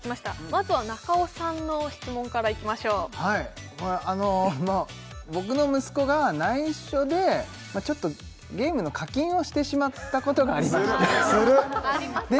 まずは中尾さんの質問からいきましょう僕の息子が内緒でまあちょっとゲームの課金をしてしまったことがありましてする！